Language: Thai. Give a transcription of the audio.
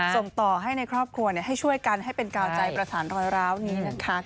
ส่งต่อให้ในครอบครัวให้ช่วยกันให้เป็นกาวใจประสานรอยร้าวนี้นะคะ